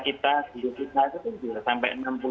kita itu punya size atau ukuran masyarakat yang sangat besar